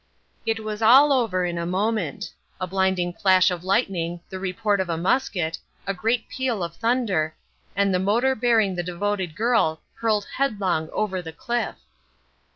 It was all over in a moment—a blinding flash of lightning, the report of a musket, a great peal of thunder, and the motor bearing the devoted girl hurled headlong over the cliff.